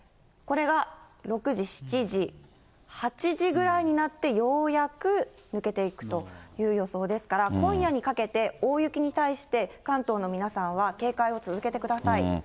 これが６時、７時、８時ぐらいになってようやく抜けていくという予想ですから、今夜にかけて、大雪に対して関東の皆さんは、警戒を続けてください。